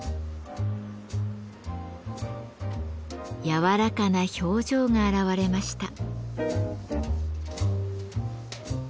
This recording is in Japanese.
柔らかな表情が現れました。